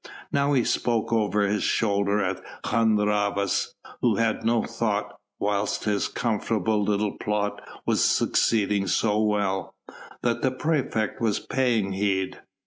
Now he spoke over his shoulder at Hun Rhavas, who had no thought, whilst his comfortable little plot was succeeding so well, that the praefect was paying heed.